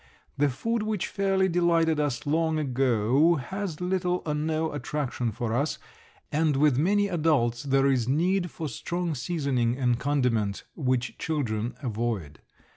The food which fairly delighted us long ago has little or no attraction for us, and with many adults there is need for strong seasoning and condiments which children avoid.